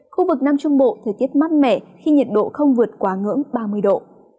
khu vực nam trung bộ thời tiết mát mẻ khi nhiệt độ không vượt quá ngưỡng ba mươi độ